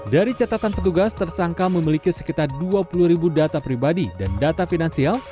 dari catatan petugas tersangka memiliki sekitar dua puluh ribu data pribadi dan data finansial